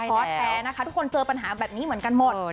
แท้นะคะทุกคนเจอปัญหาแบบนี้เหมือนกันหมด